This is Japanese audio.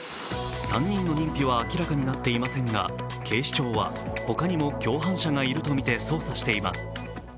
３人の認否は明らかになっていませんが警視庁は、他にも共犯者がいるとみて捜査しています。